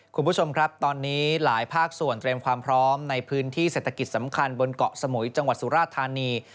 คุณผู้ชมครับตอนนี้หลายภาคส่วนเตรียมความพร้อมในพื้นที่เศรษฐกิจสำคัญบนเกาะสมุยจังหวัดสุราธานี